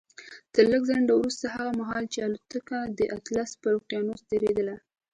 تر لږ ځنډ وروسته هغه مهال چې الوتکه د اطلس پر اقيانوس تېرېدله.